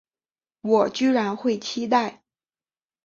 我居然会期待